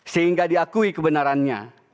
sehingga diakui kebenarannya